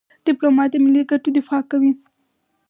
ډيپلومات د ملي ګټو دفاع کوي.